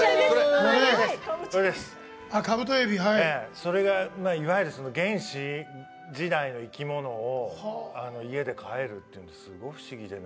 それがいわゆる原始時代の生き物を家で飼えるっていうのですごい不思議でね。